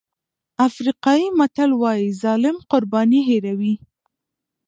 افریقایي متل وایي ظالم قرباني هېروي.